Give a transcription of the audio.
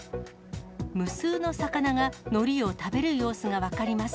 無数の魚がのりを食べる様子が分かります。